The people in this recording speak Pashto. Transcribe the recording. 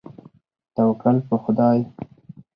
توکل په خدای.